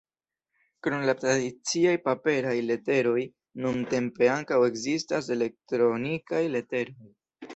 Krom la tradiciaj paperaj leteroj nuntempe ankaŭ ekzistas elektronikaj leteroj.